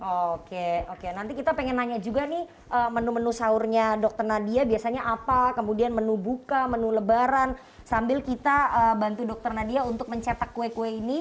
oke oke nanti kita pengen nanya juga nih menu menu sahurnya dokter nadia biasanya apa kemudian menu buka menu lebaran sambil kita bantu dokter nadia untuk mencetak kue kue ini